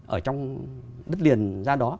ở trong đất liền ra đó